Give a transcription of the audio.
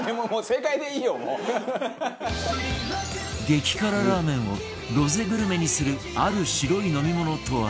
激辛ラーメンをロゼグルメにするある白い飲み物とは？